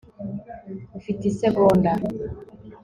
ufite isegonda